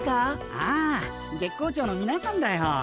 ああ月光町のみなさんだよ。